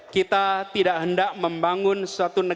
kita tidak hendak membangun suatu negara